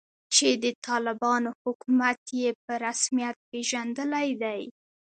چې د طالبانو حکومت یې په رسمیت پیژندلی دی